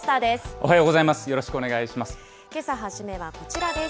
おはようございます。